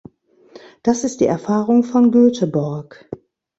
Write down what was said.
Das ist die Erfahrung von Göteborg.